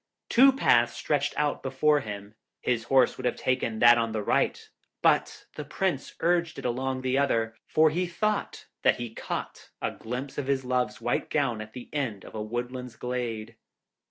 Two paths stretched out before him; his horse would have taken that on the right, but the Prince urged it along the other, for he thought that he caught a glimpse of his love's white gown at the end of a woodland glade.